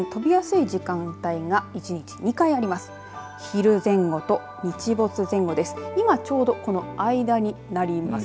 その花粉、飛びやすい時間帯が１日２回あります。